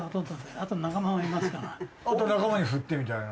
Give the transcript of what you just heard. あと仲間にふってみたいな。